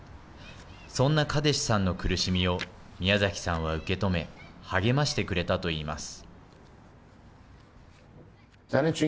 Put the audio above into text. そんなカデシュさんの苦しみを宮崎さんは受け止め励ましてくれたといいます。